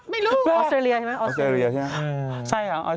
ไม่รู้ออสเตรเลียใช่ไหมออสเตรเลียใช่ไหม